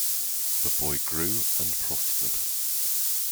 The boy grew and prospered.